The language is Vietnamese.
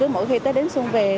mỗi khi tết đến xuân về